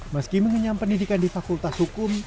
meski mengenyam pendidikan di fakultas hukum